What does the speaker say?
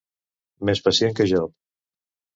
Més pacient que Job.